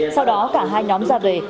sau đó cả hai nhóm ra về